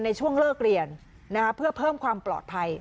ในช่วงเลิกเรียนเพื่อเพิ่มความปลอดภัย